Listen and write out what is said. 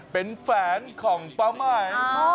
เป็นแฝนของป้าหมาย